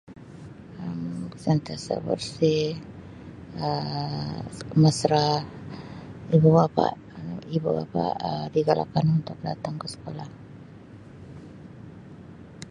Um Sentiasa bersih Um mesra ibu-bapa, ibu-bapa Um digalakkan untuk datang ke sekolah.